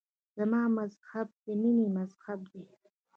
زما مذهب د مینې مذهب دی.